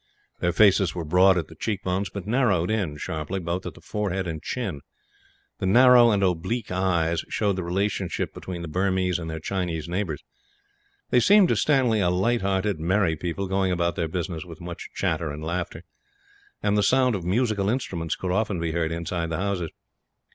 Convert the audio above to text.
Their faces were broad at the cheekbones, but narrowed in sharply, both at the forehead and chin. The narrow and oblique eyes showed the relationship between the Burmese and their Chinese neighbours. They seemed to Stanley a light hearted, merry people, going about their business with much chatter and laughter; and the sound of musical instruments could often be heard, inside the houses.